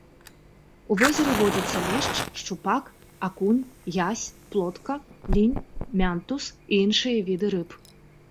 У возеры водзяцца лешч, шчупак, акунь, язь, плотка, лінь, мянтуз і іншыя віды рыб.